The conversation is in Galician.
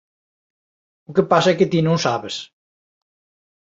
O que pasa é que ti non sabes.